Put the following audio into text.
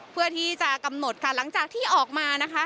เพื่อที่จะกำหนดค่ะหลังจากที่ออกมานะคะ